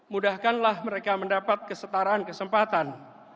mudahkanlah mereka mendapat kesetaraan kesempatan